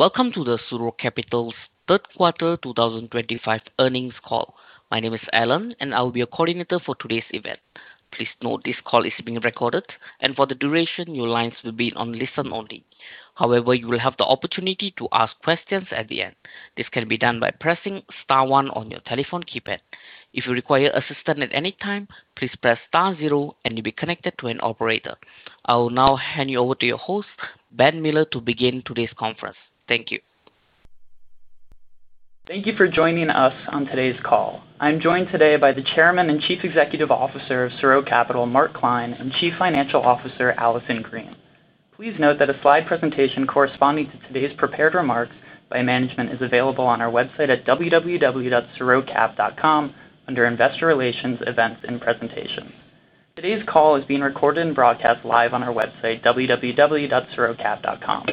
Welcome to the SuRo Capital's third quarter 2025 earnings call. My name is Alan, and I will be your coordinator for today's event. Please note this call is being recorded, and for the duration, your lines will be on listen only. However, you will have the opportunity to ask questions at the end. This can be done by pressing star one on your telephone keypad. If you require assistance at any time, please press star zero, and you'll be connected to an operator. I will now hand you over to your host, Ben Miller, to begin today's conference. Thank you. Thank you for joining us on today's call. I'm joined today by the Chairman and Chief Executive Officer of SuRo Capital, Mark Klein, and Chief Financial Officer, Allison Green. Please note that a slide presentation corresponding to today's prepared remarks by management is available on our website at www.surocap.com under Investor Relations, Events, and Presentations. Today's call is being recorded and broadcast live on our website, www.surocap.com.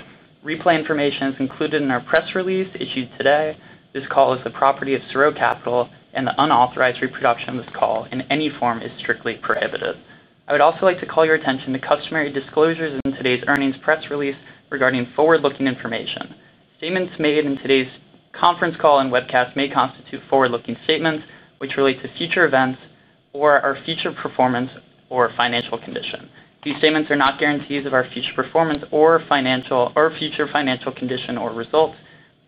Replay information is included in our press release issued today. This call is the property of SuRo Capital, and the unauthorized reproduction of this call in any form is strictly prohibited. I would also like to call your attention to customary disclosures in today's earnings press release regarding forward-looking information. Statements made in today's conference call and webcast may constitute forward-looking statements which relate to future events or our future performance or financial condition. These statements are not guarantees of our future performance or financial or future financial condition or results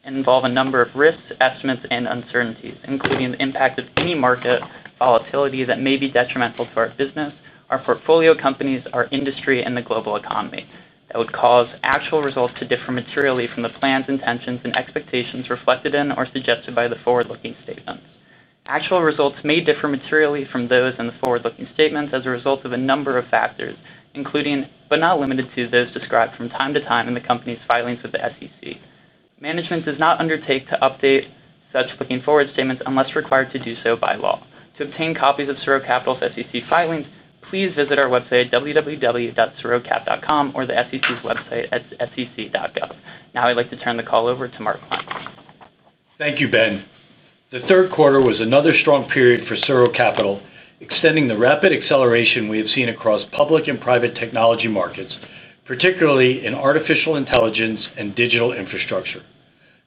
and involve a number of risks, estimates, and uncertainties, including the impact of any market volatility that may be detrimental to our business, our portfolio companies, our industry, and the global economy. That would cause actual results to differ materially from the plans, intentions, and expectations reflected in or suggested by the forward-looking statements. Actual results may differ materially from those in the forward-looking statements as a result of a number of factors, including, but not limited to, those described from time to time in the company's filings with the SEC. Management does not undertake to update such forward-looking statements unless required to do so by law. To obtain copies of SuRo Capital's SEC filings, please visit our website at www.surocap.com or the SEC's website at sec.gov. Now I'd like to turn the call over to Mark Klein. Thank you, Ben. The third quarter was another strong period for SuRo Capital, extending the rapid acceleration we have seen across public and private technology markets, particularly in artificial intelligence and digital infrastructure.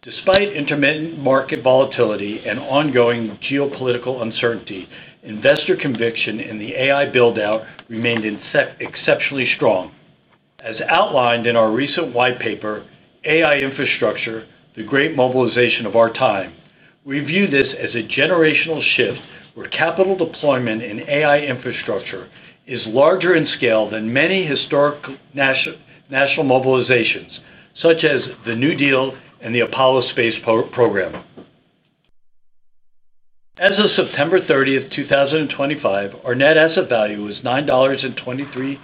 Despite intermittent market volatility and ongoing geopolitical uncertainty, investor conviction in the AI buildout remained exceptionally strong. As outlined in our recent white paper, "AI Infrastructure: The Great Mobilization of Our Time," we view this as a generational shift where capital deployment in AI infrastructure is larger in scale than many historic national mobilizations, such as the New Deal and the Apollo Space Program. As of September 30, 2025, our net asset value was $9.23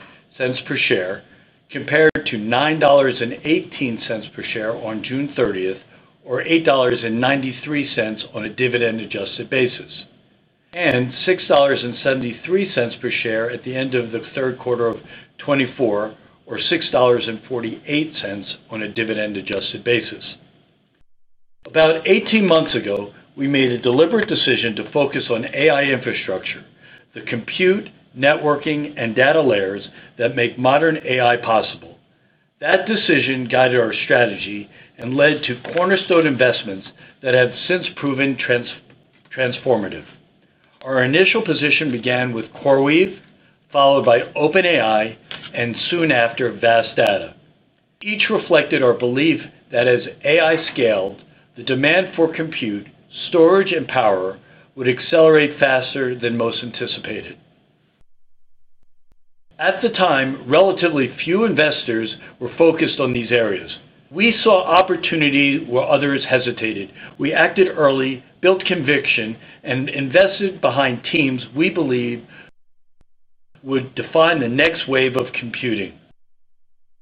per share, compared to $9.18 per share on June 30, or $8.93 on a dividend-adjusted basis, and $6.73 per share at the end of the third quarter of 2024, or $6.48 on a dividend-adjusted basis. About 18 months ago, we made a deliberate decision to focus on AI infrastructure: the compute, networking, and data layers that make modern AI possible. That decision guided our strategy and led to cornerstone investments that have since proven transformative. Our initial position began with CoreWeave, followed by OpenAI, and soon after, VAST Data. Each reflected our belief that as AI scaled, the demand for compute, storage, and power would accelerate faster than most anticipated. At the time, relatively few investors were focused on these areas. We saw opportunity where others hesitated. We acted early, built conviction, and invested behind teams we believed would define the next wave of computing.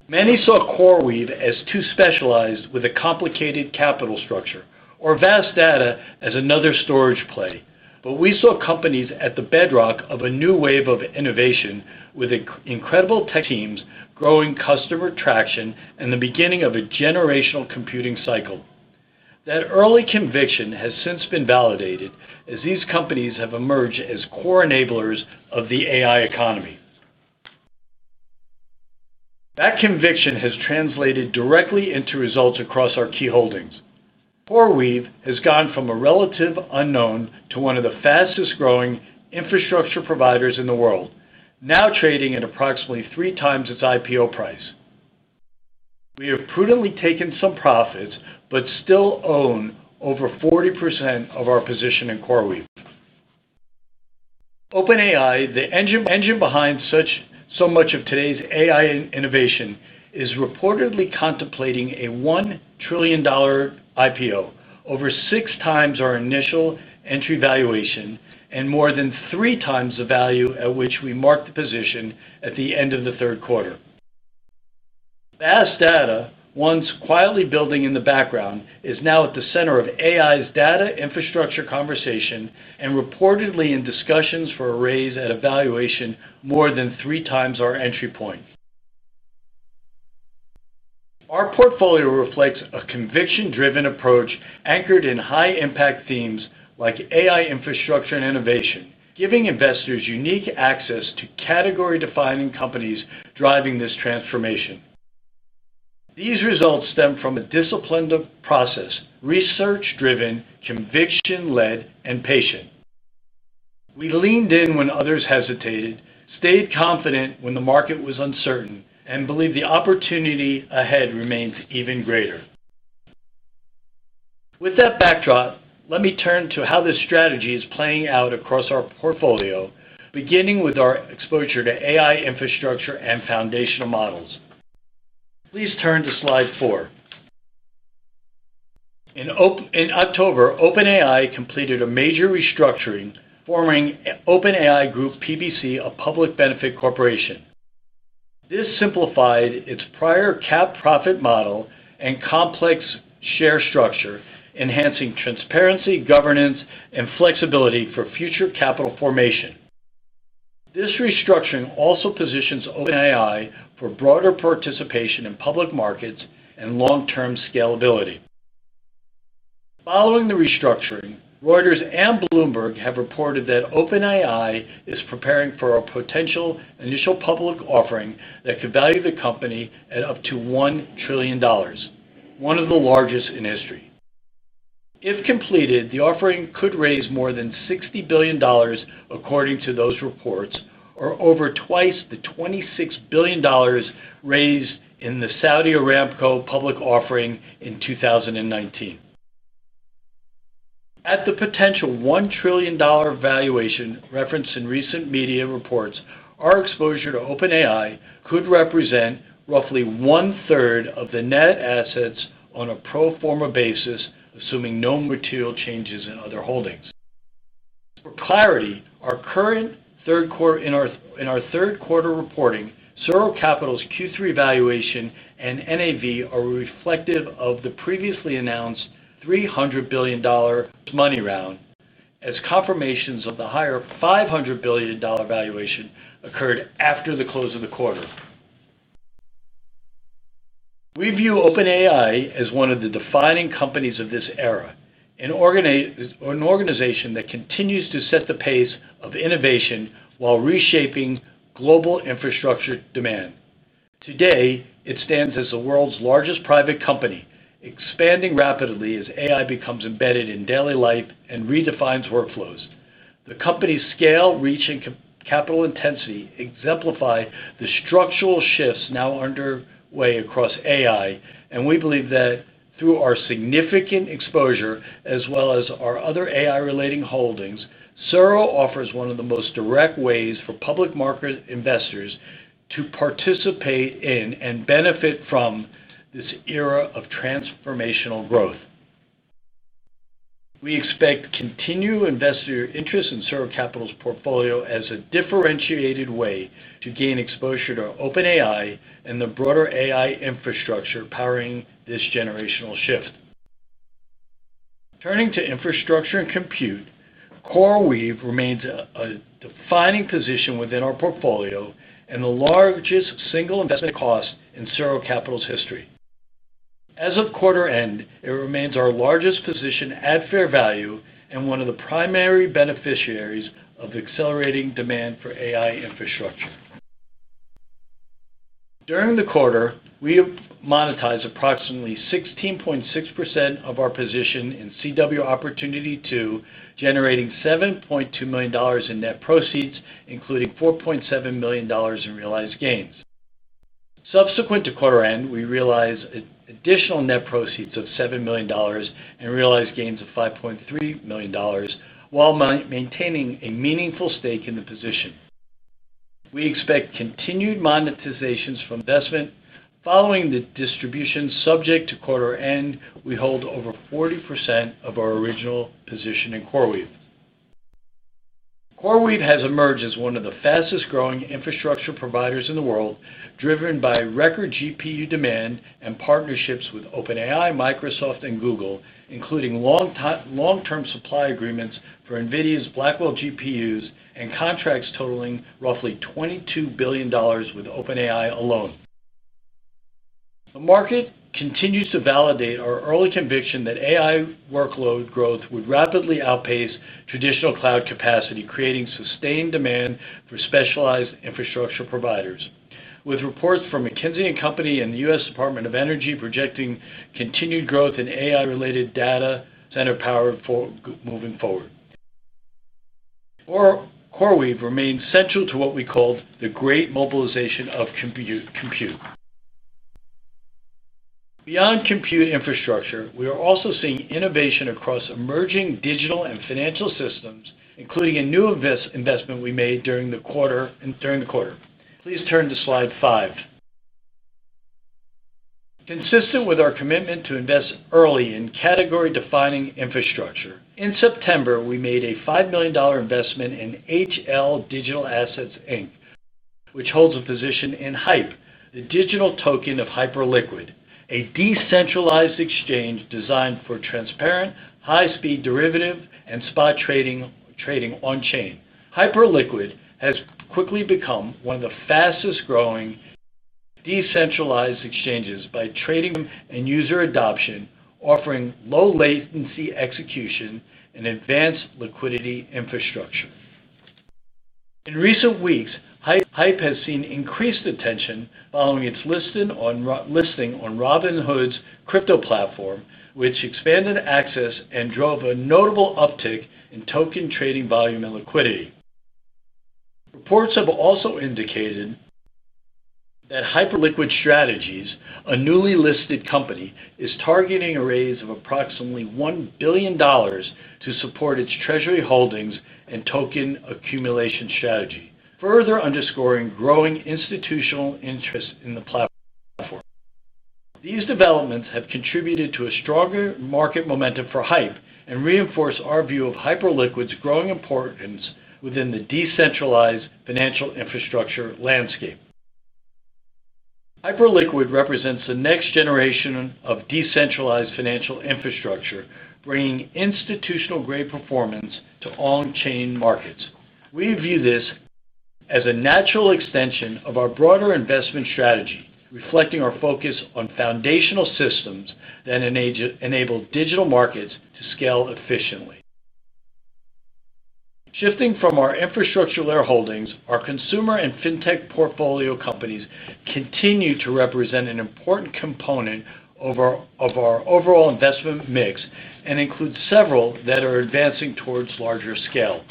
Many saw CoreWeave as too specialized with a complicated capital structure, or VAST Data as another storage play. But we saw companies at the bedrock of a new wave of innovation with incredible tech teams, growing customer traction, and the beginning of a generational computing cycle. That early conviction has since been validated as these companies have emerged as core enablers of the AI economy. That conviction has translated directly into results across our key holdings. CoreWeave has gone from a relative unknown to one of the fastest-growing infrastructure providers in the world, now trading at approximately three times its IPO price. We have prudently taken some profits but still own over 40% of our position in CoreWeave. OpenAI, the engine behind so much of today's AI innovation, is reportedly contemplating a $1 trillion IPO, over six times our initial entry valuation and more than three times the value at which we marked the position at the end of the third quarter. VAST Data, once quietly building in the background, is now at the center of AI's data infrastructure conversation and reportedly in discussions for a raise at a valuation more than three times our entry point. Our portfolio reflects a conviction-driven approach anchored in high-impact themes like AI infrastructure and innovation, giving investors unique access to category-defining companies driving this transformation. These results stem from a disciplined process: research-driven, conviction-led, and patient. We leaned in when others hesitated, stayed confident when the market was uncertain, and believed the opportunity ahead remains even greater. With that backdrop, let me turn to how this strategy is playing out across our portfolio, beginning with our exposure to AI infrastructure and foundational models. Please turn to slide four. In October, OpenAI completed a major restructuring, forming OpenAI Group PBC, a public benefit corporation. This simplified its prior capped profit model and complex share structure, enhancing transparency, governance, and flexibility for future capital formation. This restructuring also positions OpenAI for broader participation in public markets and long-term scalability. Following the restructuring, Reuters and Bloomberg have reported that OpenAI is preparing for a potential initial public offering that could value the company at up to $1 trillion, one of the largest in history. If completed, the offering could raise more than $60 billion, according to those reports, or over twice the $26 billion raised in the Saudi Aramco public offering in 2019. At the potential $1 trillion valuation referenced in recent media reports, our exposure to OpenAI could represent roughly one-third of the net assets on a pro forma basis, assuming no material changes in other holdings. For clarity, our current third quarter reporting, SuRo Capital's Q3 valuation and NAV are reflective of the previously announced $300 billion funding round, as confirmations of the higher $500 billion valuation occurred after the close of the quarter. We view OpenAI as one of the defining companies of this era, an organization that continues to set the pace of innovation while reshaping global infrastructure demand. Today, it stands as the world's largest private company, expanding rapidly as AI becomes embedded in daily life and redefines workflows. The company's scale, reach, and capital intensity exemplify the structural shifts now underway across AI, and we believe that through our significant exposure, as well as our other AI-related holdings, SuRo offers one of the most direct ways for public market investors to participate in and benefit from this era of transformational growth. We expect continued investor interest in SuRo Capital's portfolio as a differentiated way to gain exposure to OpenAI and the broader AI infrastructure powering this generational shift. Turning to infrastructure and compute, CoreWeave remains a defining position within our portfolio and the largest single investment cost in SuRo Capital's history. As of quarter end, it remains our largest position at fair value and one of the primary beneficiaries of accelerating demand for AI infrastructure. During the quarter, we monetized approximately 16.6% of our position in CW Opportunity 2, generating $7.2 million in net proceeds, including $4.7 million in realized gains. Subsequent to quarter end, we realized additional net proceeds of $7 million and realized gains of $5.3 million, while maintaining a meaningful stake in the position. We expect continued monetization from the investment. Following the distribution subsequent to quarter end, we hold over 40% of our original position in CoreWeave. CoreWeave has emerged as one of the fastest-growing infrastructure providers in the world, driven by record GPU demand and partnerships with OpenAI, Microsoft, and Google, including long-term supply agreements for NVIDIA's Blackwell GPUs and contracts totaling roughly $22 billion with OpenAI alone. The market continues to validate our early conviction that AI workload growth would rapidly outpace traditional cloud capacity, creating sustained demand for specialized infrastructure providers, with reports from McKinsey & Company and the U.S. Department of Energy projecting continued growth in AI-related data center power moving forward. CoreWeave remains central to what we called the great mobilization of compute. Beyond compute infrastructure, we are also seeing innovation across emerging digital and financial systems, including a new investment we made during the quarter. Please turn to slide five. Consistent with our commitment to invest early in category-defining infrastructure, in September, we made a $5 million investment in HL Digital Assets, Inc., which holds a position in HYPE, the digital token of Hyperliquid, a decentralized exchange designed for transparent, high-speed derivative and spot trading on-chain. Hyperliquid has quickly become one of the fastest-growing decentralized exchanges by trading and user adoption, offering low-latency execution and advanced liquidity infrastructure. In recent weeks, HYPE has seen increased attention following its listing on Robinhood's crypto platform, which expanded access and drove a notable uptick in token trading volume and liquidity. Reports have also indicated that Hyperliquid Strategies, a newly listed company, is targeting a raise of approximately $1 billion to support its treasury holdings and token accumulation strategy, further underscoring growing institutional interest in the platform. These developments have contributed to a stronger market momentum for HYPE and reinforce our view of Hyperliquid's growing importance within the decentralized financial infrastructure landscape. Hyperliquid represents the next generation of decentralized financial infrastructure, bringing institutional-grade performance to on-chain markets. We view this as a natural extension of our broader investment strategy, reflecting our focus on foundational systems that enable digital markets to scale efficiently. Shifting from our infrastructure layer holdings, our consumer and fintech portfolio companies continue to represent an important component of our overall investment mix and include several that are advancing towards larger scale.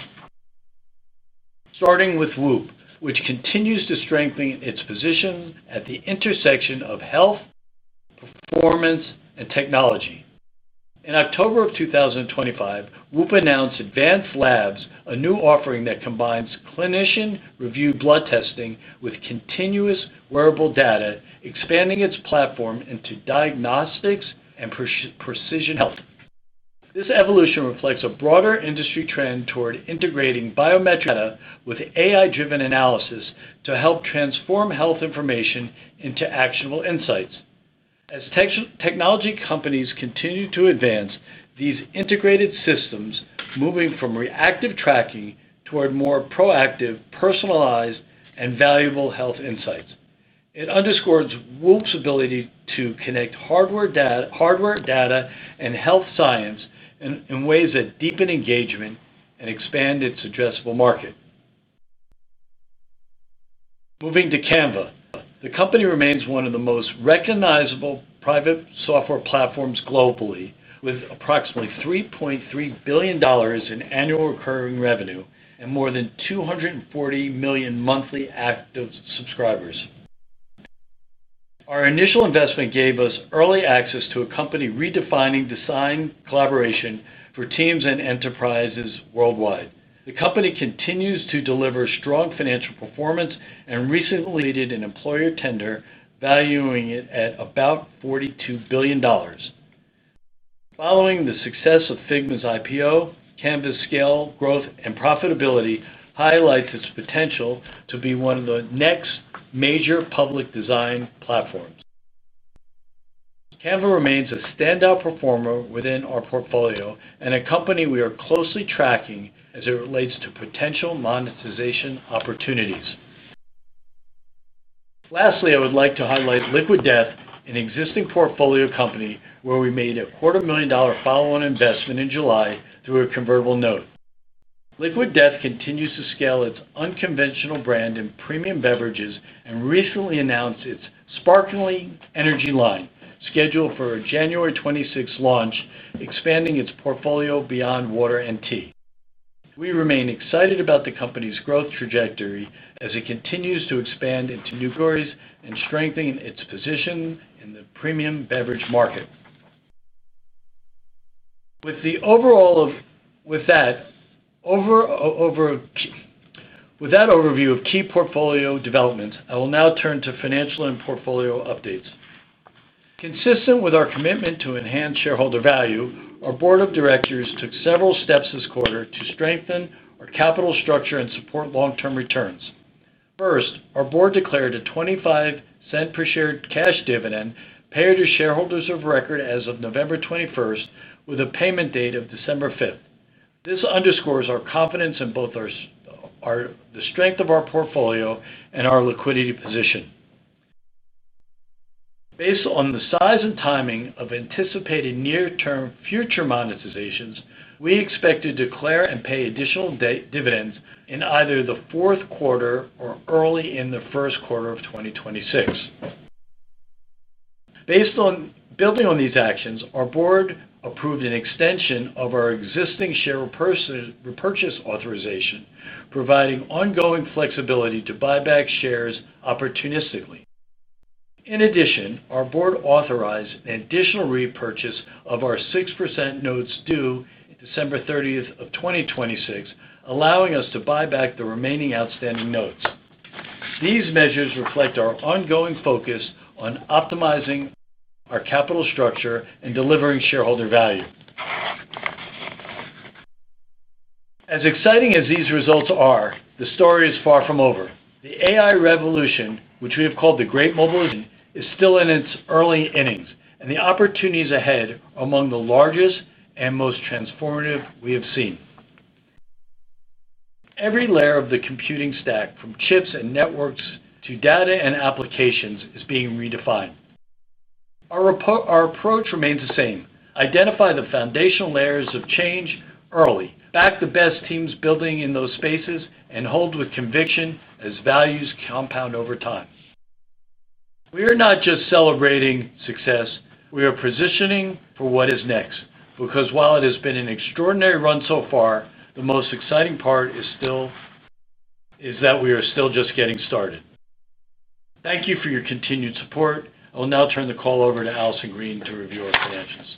Starting with WHOOP, which continues to strengthen its position at the intersection of health, performance, and technology. In October of 2025, WHOOP announced Advanced Labs, a new offering that combines clinician-reviewed blood testing with continuous wearable data, expanding its platform into diagnostics and precision health. This evolution reflects a broader industry trend toward integrating biometric data with AI-driven analysis to help transform health information into actionable insights. As technology companies continue to advance, these integrated systems move from reactive tracking toward more proactive, personalized, and valuable health insights. It underscores WHOOP's ability to connect hardware data and health science in ways that deepen engagement and expand its addressable market. Moving to Canva, the company remains one of the most recognizable private software platforms globally, with approximately $3.3 billion in annual recurring revenue and more than 240 million monthly active subscribers. Our initial investment gave us early access to a company redefining design collaboration for teams and enterprises worldwide. The company continues to deliver strong financial performance and recently completed an employee tender valuing it at about $42 billion. Following the success of Figma's IPO, Canva's scale, growth, and profitability highlight its potential to be one of the next major public design platforms. Canva remains a standout performer within our portfolio and a company we are closely tracking as it relates to potential monetization opportunities. Lastly, I would like to highlight Liquid Death, an existing portfolio company where we made a $250,000 follow-on investment in July through a convertible note. Liquid Death continues to scale its unconventional brand in premium beverages and recently announced its Sparkling Energy line, scheduled for a January 2026 launch, expanding its portfolio beyond water and tea. We remain excited about the company's growth trajectory as it continues to expand into new growth and strengthen its position in the premium beverage market. With that overview of key portfolio developments, I will now turn to financial and portfolio updates. Consistent with our commitment to enhance shareholder value, our board of directors took several steps this quarter to strengthen our capital structure and support long-term returns. First, our board declared a $0.25 per share cash dividend paid to shareholders of record as of November 21st, with a payment date of December 5th. This underscores our confidence in both the strength of our portfolio and our liquidity position. Based on the size and timing of anticipated near-term future monetizations, we expect to declare and pay additional dividends in either the fourth quarter or early in the first quarter of 2026. Building on these actions, our board approved an extension of our existing share repurchase authorization, providing ongoing flexibility to buy back shares opportunistically. In addition, our board authorized an additional repurchase of our 6% notes due December 30, 2026, allowing us to buy back the remaining outstanding notes. These measures reflect our ongoing focus on optimizing our capital structure and delivering shareholder value. As exciting as these results are, the story is far from over. The AI revolution, which we have called the great mobilization, is still in its early innings, and the opportunities ahead are among the largest and most transformative we have seen. Every layer of the computing stack, from chips and networks to data and applications, is being redefined. Our approach remains the same: identify the foundational layers of change early, back the best teams building in those spaces, and hold with conviction as values compound over time. We are not just celebrating success. We are positioning for what is next. Because while it has been an extraordinary run so far, the most exciting part is still that we are still just getting started. Thank you for your continued support. I will now turn the call over to Allison Green to review our financials.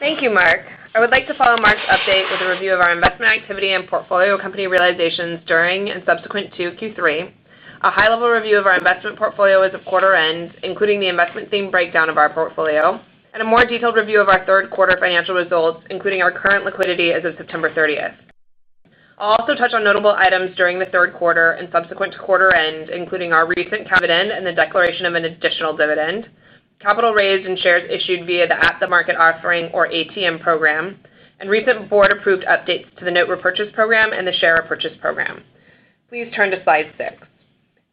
Thank you, Mark. I would like to follow Mark's update with a review of our investment activity and portfolio company realizations during and subsequent to Q3. A high-level review of our investment portfolio as of quarter end, including the investment theme breakdown of our portfolio, and a more detailed review of our third quarter financial results, including our current liquidity as of September 30th. I'll also touch on notable items during the third quarter and subsequent to quarter end, including our recent dividend and the declaration of an additional dividend, capital raised and shares issued via the at-the-market offering, or ATM program, and recent board-approved updates to the note repurchase program and the share repurchase program. Please turn to slide six.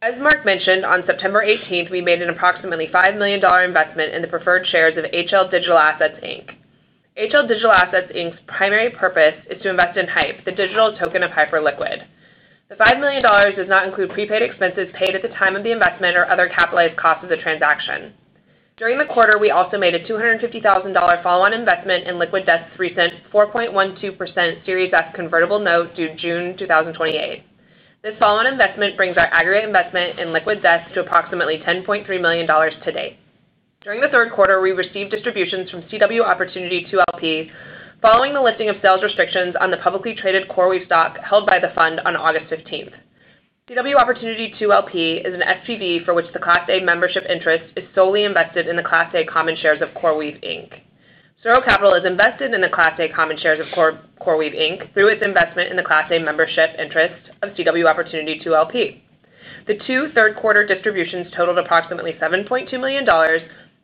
As Mark mentioned, on September 18th, we made an approximately $5 million investment in the preferred shares of HL Digital Assets, Inc. HL Digital Assets, Inc.'s primary purpose is to invest in HYPE, the digital token of Hyperliquid. The $5 million does not include prepaid expenses paid at the time of the investment or other capitalized costs of the transaction. During the quarter, we also made a $250,000 follow-on investment in Liquid Death's recent 4.12% Series S convertible note due June 2028. This follow-on investment brings our aggregate investment in Liquid Death to approximately $10.3 million to date. During the third quarter, we received distributions from CW Opportunity 2 LP following the lifting of sales restrictions on the publicly traded CoreWeave stock held by the fund on August 15th. CW Opportunity 2 LP is an SPV for which the Class A membership interest is solely invested in the Class A common shares of CoreWeave, Inc. SuRo Capital is invested in the Class A common shares of CoreWeave, Inc. through its investment in the Class A membership interest of CW Opportunity 2 LP. The two third-quarter distributions totaled approximately $7.2 million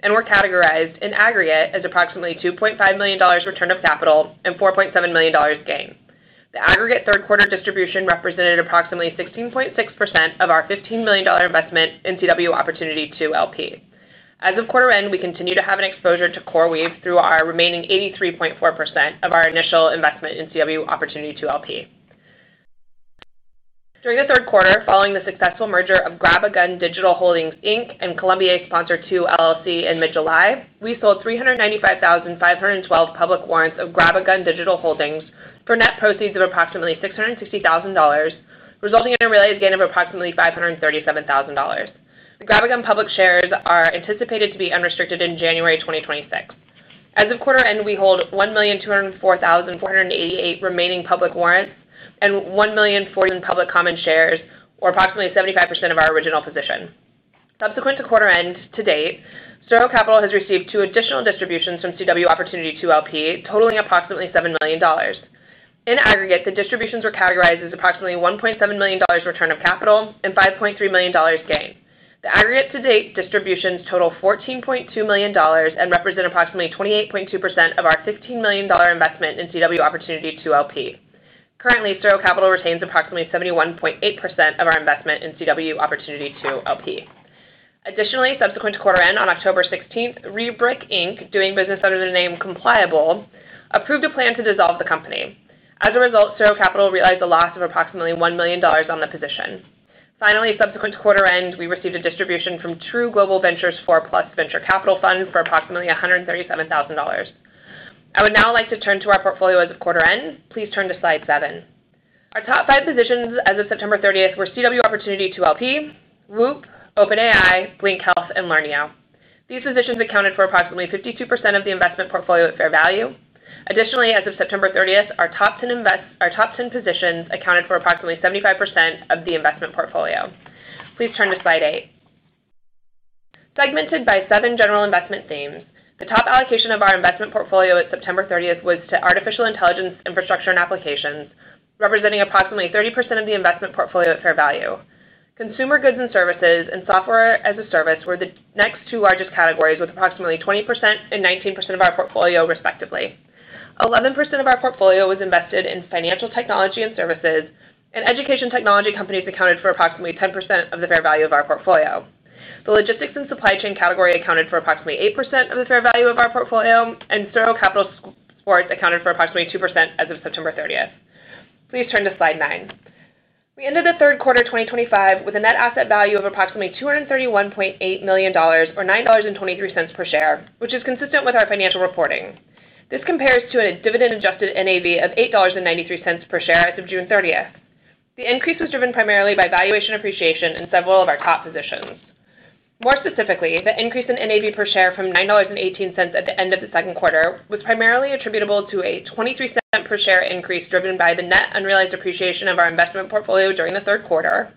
and were categorized in aggregate as approximately $2.5 million return of capital and $4.7 million gain. The aggregate third-quarter distribution represented approximately 16.6% of our $15 million investment in CW Opportunity 2 LP. As of quarter end, we continue to have an exposure to CoreWeave through our remaining 83.4% of our initial investment in CW Opportunity 2 LP. During the third quarter, following the successful merger of GrabAGun Digital Holdings, Inc., and Columbia Sponsored 2 LLC in mid-July, we sold 395,512 public warrants of GrabAGun Digital Holdings for net proceeds of approximately $660,000, resulting in a realized gain of approximately $537,000. The GrabAGun public shares are anticipated to be unrestricted in January 2026. As of quarter end, we hold 1,204,488 remaining public warrants and 1,000,040 public common shares, or approximately 75% of our original position. Subsequent to quarter end to date, SuRo Capital has received two additional distributions from CW Opportunity 2 LP, totaling approximately $7 million. In aggregate, the distributions were categorized as approximately $1.7 million return of capital and $5.3 million gain. The aggregate-to-date distributions total $14.2 million and represent approximately 28.2% of our $15 million investment in CW Opportunity 2 LP. Currently, SuRo Capital retains approximately 71.8% of our investment in CW Opportunity 2 LP. Additionally, subsequent to quarter end on October 16th, Rebric, Inc., doing business under the name Compliable, approved a plan to dissolve the company. As a result, SuRo Capital realized a loss of approximately $1 million on the position. Finally, subsequent to quarter end, we received a distribution from True Global Ventures 4 Plus Venture Capital Fund for approximately $137,000. I would now like to turn to our portfolio as of quarter end. Please turn to slide seven. Our top five positions as of September 30th were CW Opportunity 2 LP, WHOOP, OpenAI, Blink Health, and Lernio. These positions accounted for approximately 52% of the investment portfolio at fair value. Additionally, as of September 30th, our top ten positions accounted for approximately 75% of the investment portfolio. Please turn to slide eight. Segmented by seven general investment themes, the top allocation of our investment portfolio at September 30th was to artificial intelligence infrastructure and applications, representing approximately 30% of the investment portfolio at fair value. Consumer goods and services and software as a service were the next two largest categories with approximately 20% and 19% of our portfolio, respectively. 11% of our portfolio was invested in financial technology and services, and education technology companies accounted for approximately 10% of the fair value of our portfolio. The logistics and supply chain category accounted for approximately 8% of the fair value of our portfolio, and SuRo Capital Sports accounted for approximately 2% as of September 30th. Please turn to slide nine. We ended the third quarter 2025 with a net asset value of approximately $231.8 million, or $9.23 per share, which is consistent with our financial reporting. This compares to a dividend-adjusted NAV of $8.93 per share as of June 30. The increase was driven primarily by valuation appreciation in several of our top positions. More specifically, the increase in NAV per share from $9.18 at the end of the second quarter was primarily attributable to a $0.23 per share increase driven by the net unrealized appreciation of our investment portfolio during the third quarter,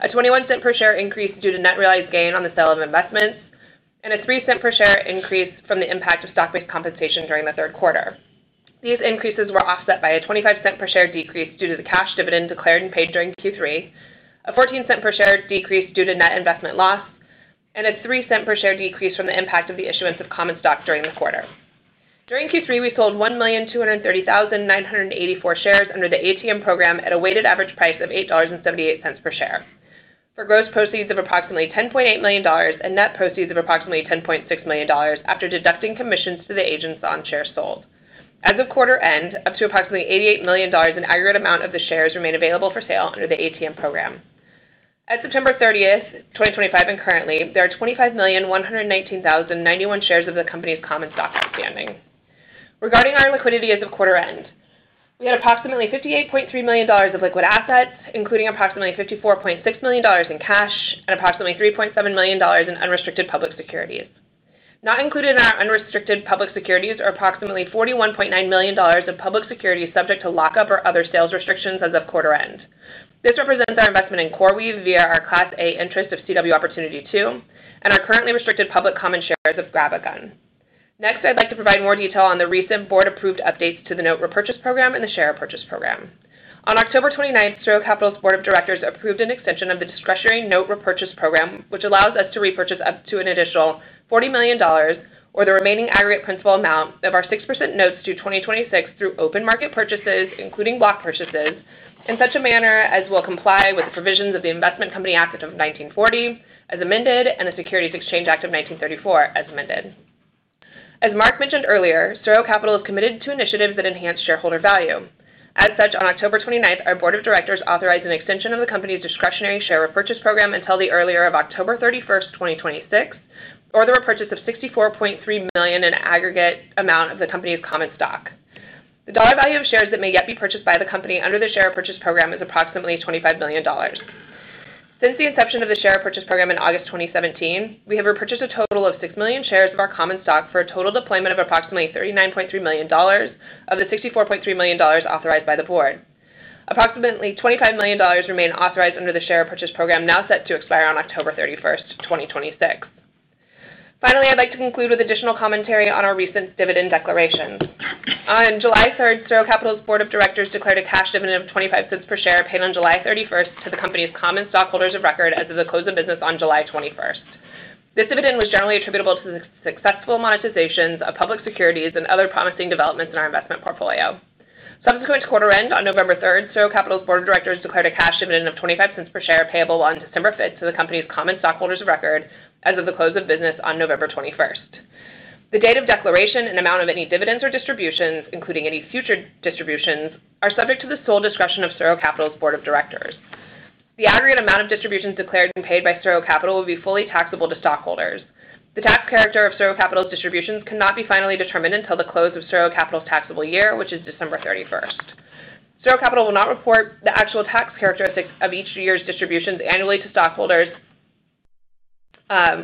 a $0.21 per share increase due to net realized gain on the sale of investments, and a $0.03 per share increase from the impact of stock-based compensation during the third quarter. These increases were offset by a $0.25 per share decrease due to the cash dividend declared and paid during Q3, a $0.14 per share decrease due to net investment loss, and a $0.03 per share decrease from the impact of the issuance of common stock during the quarter. During Q3, we sold 1,230,984 shares under the ATM program at a weighted average price of $8.78 per share for gross proceeds of approximately $10.8 million and net proceeds of approximately $10.6 million after deducting commissions to the agents on shares sold. As of quarter end, up to approximately $88 million in aggregate amount of the shares remain available for sale under the ATM program. At September 30th, 2025, and currently, there are 25,119,091 shares of the company's common stock outstanding. Regarding our liquidity as of quarter end, we had approximately $58.3 million of liquid assets, including approximately $54.6 million in cash and approximately $3.7 million in unrestricted public securities. Not included in our unrestricted public securities are approximately $41.9 million of public securities subject to lockup or other sales restrictions as of quarter end. This represents our investment in CoreWeave via our Class A interest of CW Opportunity 2 and our currently restricted public common shares of GrabAGun. Next, I'd like to provide more detail on the recent board-approved updates to the note repurchase program and the share repurchase program. On October 29, SuRo Capital's board of directors approved an extension of the discretionary note repurchase program, which allows us to repurchase up to an additional $40 million, or the remaining aggregate principal amount of our 6% notes due 2026 through open market purchases, including block purchases, in such a manner as will comply with the provisions of the Investment Company Act of 1940, as amended, and the Securities Exchange Act of 1934, as amended. As Mark mentioned earlier, SuRo Capital is committed to initiatives that enhance shareholder value. As such, on October 29, our board of directors authorized an extension of the company's discretionary share repurchase program until the earlier of October 31st, 2026, or the repurchase of $64.3 million in aggregate amount of the company's common stock. The dollar value of shares that may yet be purchased by the company under the share repurchase program is approximately $25 million. Since the inception of the share repurchase program in August 2017, we have repurchased a total of 6 million shares of our common stock for a total deployment of approximately $39.3 million of the $64.3 million authorized by the board. Approximately $25 million remain authorized under the share repurchase program now set to expire on October 31st, 2026. Finally, I'd like to conclude with additional commentary on our recent dividend declaration. On July 3rd, SuRo Capital's board of directors declared a cash dividend of $0.25 per share paid on July 31st to the company's common stockholders of record as of the close of business on July 21st. This dividend was generally attributable to the successful monetizations of public securities and other promising developments in our investment portfolio. Subsequent to quarter end, on November 3rd, SuRo Capital's board of directors declared a cash dividend of $0.25 per share payable on December 5th to the company's common stockholders of record as of the close of business on November 21st. The date of declaration and amount of any dividends or distributions, including any future distributions, are subject to the sole discretion of SuRo Capital's board of directors. The aggregate amount of distributions declared and paid by SuRo Capital will be fully taxable to stockholders. The tax character of SuRo Capital's distributions cannot be finally determined until the close of SuRo Capital's taxable year, which is December 31st. SuRo Capital will not report the actual tax characteristics of each year's distributions annually to stockholders.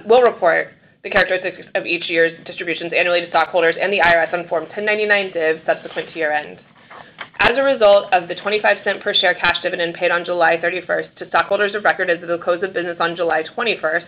Will report the characteristics of each year's distributions annually to stockholders and the IRS on Form 1099-DIV subsequent to year end. As a result of the $0.25 per share cash dividend paid on July 31st to stockholders of record as of the close of business on July 21st,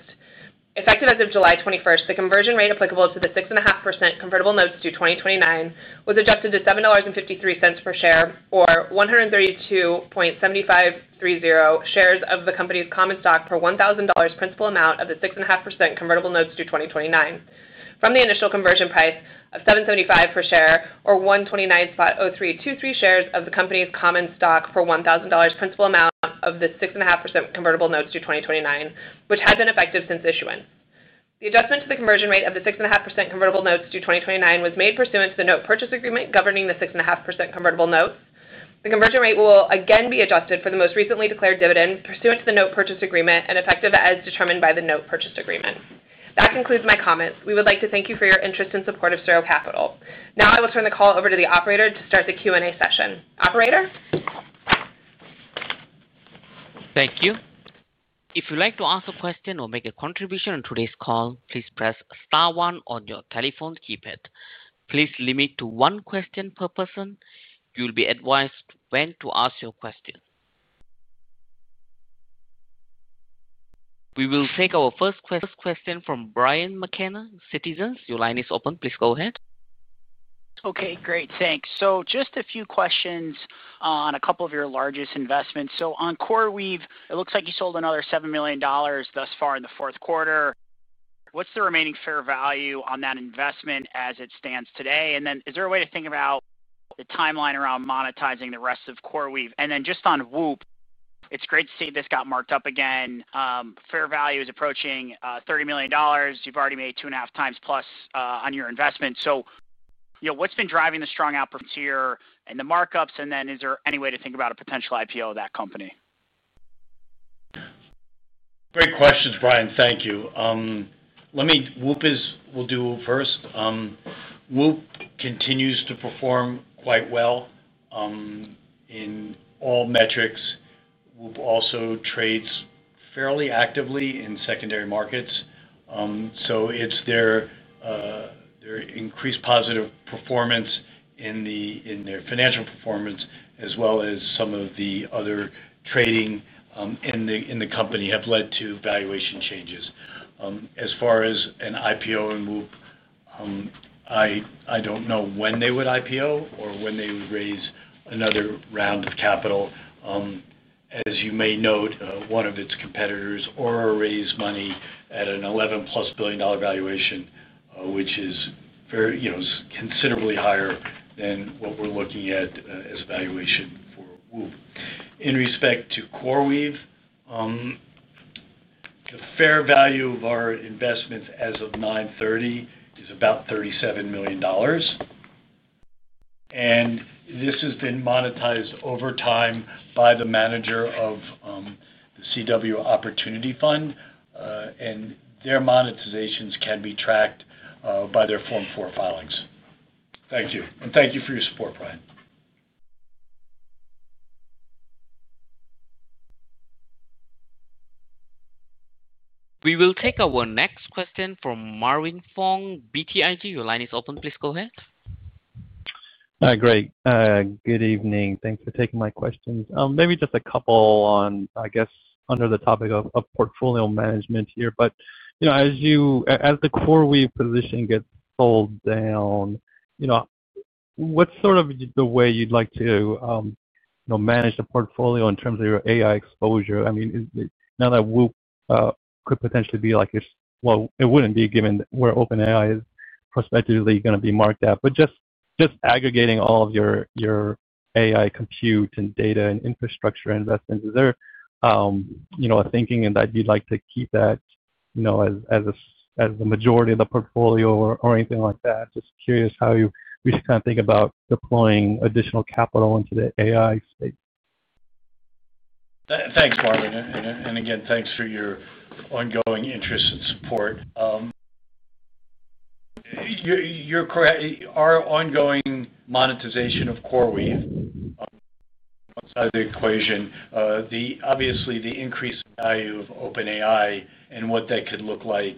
effective as of July 21st, the conversion rate applicable to the 6.5% convertible notes due 2029 was adjusted to $7.53 per share, or 132.7530 shares of the company's common stock for $1,000 principal amount of the 6.5% convertible notes due 2029, from the initial conversion price of $7.75 per share, or 129.0323 shares of the company's common stock for $1,000 principal amount of the 6.5% convertible notes due 2029, which had been effective since issuance. The adjustment to the conversion rate of the 6.5% convertible notes due 2029 was made pursuant to the note purchase agreement governing the 6.5% convertible notes. The conversion rate will again be adjusted for the most recently declared dividend pursuant to the note purchase agreement and effective as determined by the note purchase agreement. That concludes my comments. We would like to thank you for your interest and support of SuRo Capital. Now I will turn the call over to the operator to start the Q&A session. Operator? Thank you. If you'd like to ask a question or make a contribution on today's call, please press star one on your telephone keypad. Please limit to one question per person. You'll be advised when to ask your question. We will take our first question from Brian McKenna, Citizens. Your line is open. Please go ahead. Okay. Great. Thanks. So just a few questions on a couple of your largest investments. So on CoreWeave, it looks like you sold another $7 million thus far in the fourth quarter. What's the remaining fair value on that investment as it stands today? And then is there a way to think about the timeline around monetizing the rest of CoreWeave? And then just on WHOOP, it's great to see this got marked up again. Fair value is approaching $30 million. You've already made two and a half times plus on your investment. So. What's been driving the strong outperformance here and the markups? And then is there any way to think about a potential IPO of that company? Great questions, Brian. Thank you. WHOOP, we'll do WHOOP first. WHOOP continues to perform quite well. In all metrics. WHOOP also trades fairly actively in secondary markets. So their. Increased positive performance in their financial performance, as well as some of the other trading in the company, have led to valuation changes. As far as an IPO in WHOOP. I don't know when they would IPO or when they would raise another round of capital. As you may note, one of its competitors Aura raised money at an $11+ billion valuation, which is considerably higher than what we're looking at as valuation for WHOOP. In respect to CoreWeave, the fair value of our investments as of 9/30 is about $37 million. And this has been monetized over time by the manager of the CW Opportunity Fund. And their monetizations can be tracked by their Form 4 filings. Thank you. And thank you for your support, Brian. We will take our next question from Marvin Fong, BTIG. Your line is open. Please go ahead. Great. Good evening. Thanks for taking my questions. Maybe just a couple on, I guess, under the topic of portfolio management here. But as the CoreWeave position gets sold down, what's sort of the way you'd like to manage the portfolio in terms of your AI exposure? I mean, now that WHOOP could potentially be like it wouldn't be given where OpenAI is prospectively going to be marked at, but just aggregating all of your AI compute and data and infrastructure investments, is there a thinking that you'd like to keep that as the majority of the portfolio or anything like that? Just curious how you kind of think about deploying additional capital into the AI space. Thanks, Marvin. And again, thanks for your ongoing interest and support. Our ongoing monetization of CoreWeave outside of the equation, obviously, the increase in value of OpenAI and what that could look like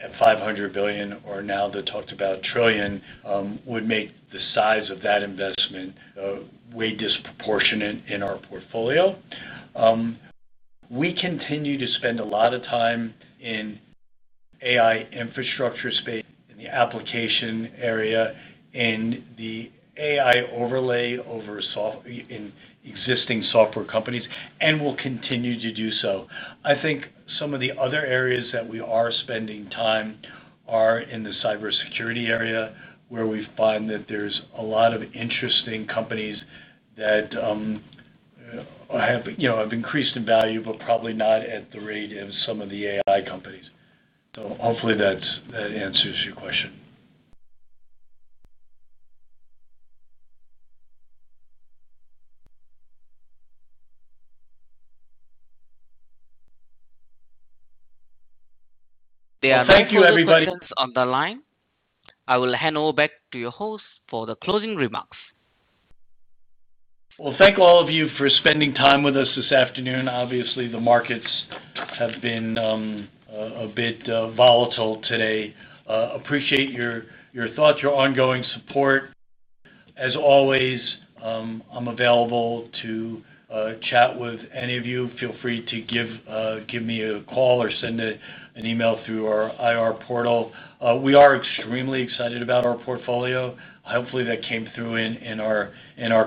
at $500 billion or now the talked-about $1 trillion would make the size of that investment way disproportionate in our portfolio. We continue to spend a lot of time in the AI infrastructure space, in the application area, in the AI overlay over existing software companies, and we'll continue to do so. I think some of the other areas that we are spending time are in the cybersecurity area, where we find that there's a lot of interesting companies that have increased in value, but probably not at the rate of some of the AI companies. So hopefully, that answers your question. Thank you, everybody on the line. I will hand over back to your host for the closing remarks. Well, thank all of you for spending time with us this afternoon. Obviously, the markets have been a bit volatile today. Appreciate your thoughts, your ongoing support. As always, I'm available to chat with any of you. Feel free to give me a call or send an email through our IR portal. We are extremely excited about our portfolio. Hopefully, that came through in our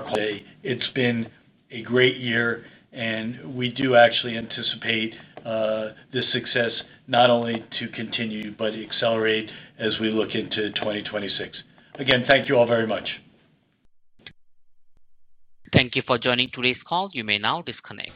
call today. It's been a great year, and we do actually anticipate this success not only to continue but accelerate as we look into 2026. Again, thank you all very much. Thank you for joining today's call. You may now disconnect.